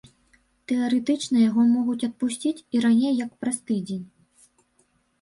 Тэарэтычна яго могуць адпусціць і раней як праз тыдзень.